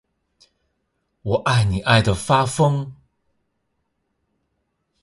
我爱你爱的发疯